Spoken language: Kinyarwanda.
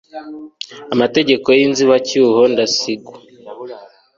amategeko y inzibacyuho ndasingwa